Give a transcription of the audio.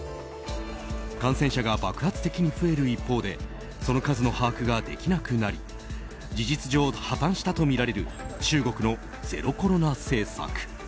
感染者が爆発的に増える一方でその数の把握ができなくなり事実上、破綻したとみられる中国のゼロコロナ政策。